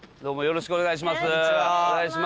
よろしくお願いします。